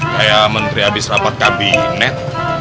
kayak menteri habis rapat kabinet